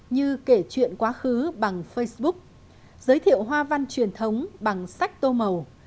như kể chuyện quá khứ bằng facebook giới thiệu hoa văn truyền thống bằng sách tô màu